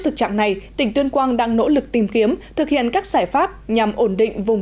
thực trạng này tỉnh tuyên quang đang nỗ lực tìm kiếm thực hiện các giải pháp nhằm ổn định vùng